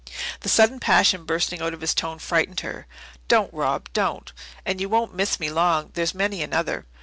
The sudden passion bursting out in his tone frightened her. "Don't, Rob, don't! And you won't miss me long. There's many another."